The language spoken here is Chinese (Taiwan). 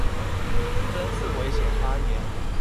真是危險發言